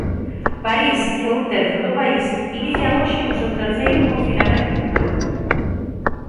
París e un terzo do país inician hoxe o seu terceiro confinamento nun ano.